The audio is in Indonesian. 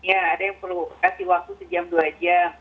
ya ada yang perlu kasih waktu sejam dua jam